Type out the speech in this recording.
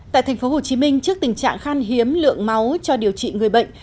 tại tp hcm trước tình trạng khan hiếm lượng máu cho điều trị người bệnh